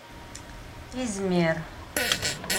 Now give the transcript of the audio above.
Izmir.